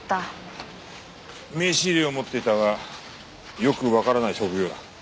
名刺入れを持っていたがよくわからない職業だ。